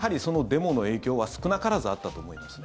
しかし、やはりそのデモの影響は少なからずあったと思いますね。